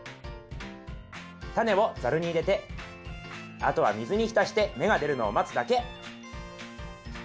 タネをザルに入れてあとは水に浸して芽が出るのを待つだけ。